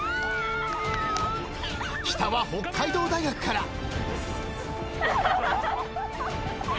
［北は北海道大学から］